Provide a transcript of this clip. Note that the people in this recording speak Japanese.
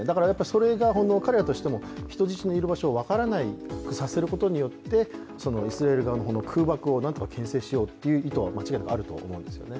それが彼らとしても人質のいる場所を分からなくさせることによってイスラエル側の空爆をなんとかけん制しようという意図は間違いなくあると思うんですよね。